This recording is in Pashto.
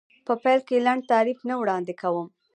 په پیل کې لنډ تعریف نه وړاندې کوم.